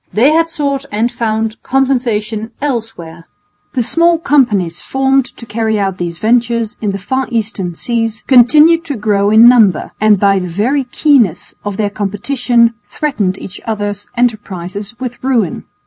They had sought and found compensation elsewhere. The small companies formed to carry out these ventures in the far Eastern seas continued to grow in number, and by the very keenness of their competition threatened each other's enterprises with ruin.